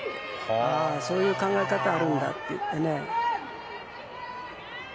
ああ、そういう考え方もあるんだってね。